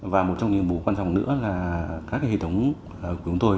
và một trong nhiệm vụ quan trọng nữa là các hệ thống của chúng tôi